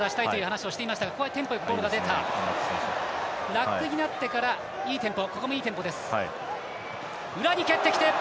ラックになってから、いいテンポ。